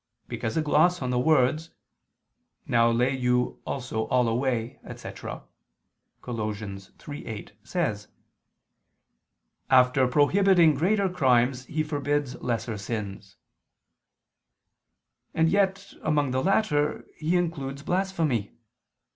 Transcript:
Because a gloss on the words, "Now lay you also all away," etc. (Col. 3:8) says: "After prohibiting greater crimes he forbids lesser sins": and yet among the latter he includes blasphemy.